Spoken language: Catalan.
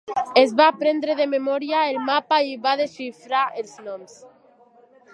Es va aprendre de memòria el mapa i va desxifrar els noms.